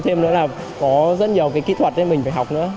thêm nữa là có rất nhiều cái kỹ thuật nên mình phải học nữa